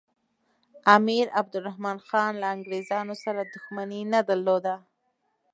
امیر عبدالرحمن خان له انګریزانو سره دښمني نه درلوده.